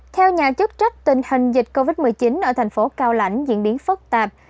theo nhà chức trách tình hình dịch covid một mươi chín ở thành phố cao lãnh diễn biến phức tạp